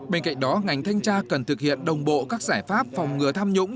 bên cạnh đó ngành thanh tra cần thực hiện đồng bộ các giải pháp phòng ngừa tham nhũng